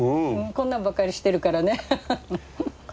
こんなんばっかりしてるからねハハハ。